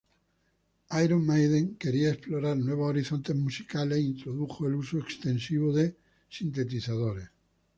Iron Maiden quería explorar nuevos horizontes musicales e introdujo el uso extensivo de sintetizadores.